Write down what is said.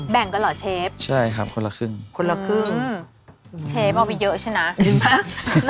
แบ่งกันเหรอเชฟใช่ครับคนละครึ่งคนละครึ่งเชฟเอาไปเยอะใช่ไหม